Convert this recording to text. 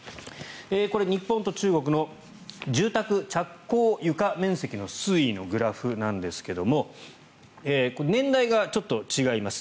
これ、日本と中国の住宅着工床面積の推移のグラフですが年代がちょっと違います。